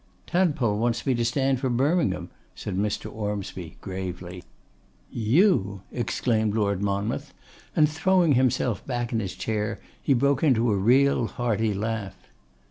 'Tadpole wants me to stand for Birmingham,' said Mr. Ormsby, gravely. 'You!' exclaimed Lord Monmouth, and throwing himself back in his chair, he broke into a real, hearty laugh.